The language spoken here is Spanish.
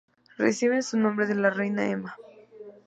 Recibe su nombre de la Reina Emma.